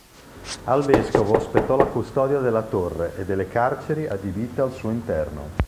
Al vescovo spettò la custodia della torre e delle carceri adibite al suo interno.